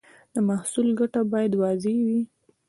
د محصول ګټه باید واضح وي.